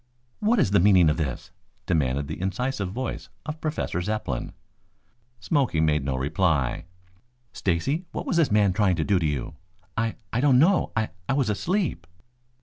"What is the meaning of this?" demanded the incisive voice of Professor Zepplin. Smoky made no reply. "Stacy, what was this man trying to do to you?" "I I don't know. I I was asleep."